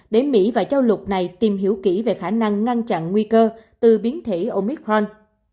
để mỹ và châu lục này tìm hiểu kỹ về khả năng ngăn chặn nguy cơ từ biến thể omicron